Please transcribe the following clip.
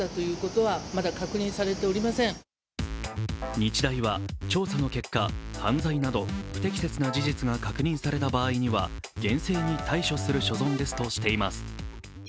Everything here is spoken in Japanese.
日大は調査の結果、犯罪など不適切な事実が確認された場合には厳正に対処する所存ですとしています。